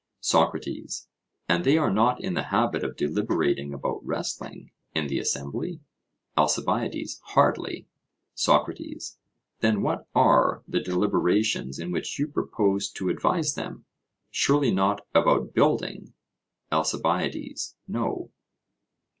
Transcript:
SOCRATES: And they are not in the habit of deliberating about wrestling, in the assembly? ALCIBIADES: Hardly. SOCRATES: Then what are the deliberations in which you propose to advise them? Surely not about building? ALCIBIADES: No.